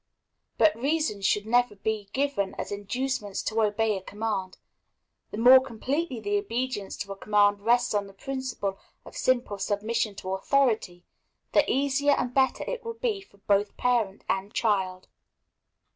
But reasons should never be given as inducements to obey a command. The more completely the obedience to a command rests on the principle of simple submission to authority, the easier and better it will be both for parent and child.